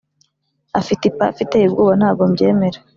afite ipafu iteye ubwoba ntago mbyemera